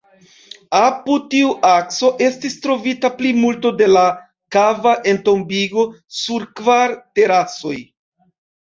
Apud tiu akso estis trovita plimulto de la kava entombigo, sur kvar terasoj.